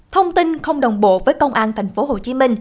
thông tin không đồng bộ với công an tp hcm